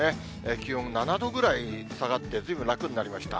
気温７度ぐらい下がって、ずいぶん楽になりました。